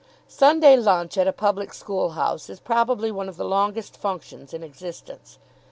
Sunday lunch at a public school house is probably one of the longest functions in existence.